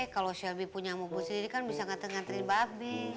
kalau selby punya mobil sendiri kan bisa ngantri ngantriin mbak be